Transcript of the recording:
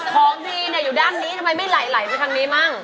ของดีอยู่ด้านนี้ทำไมไม่ไหลไปทางนี้มั่ง